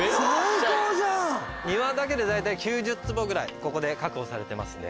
庭だけで大体９０坪ぐらいここで確保されてますね。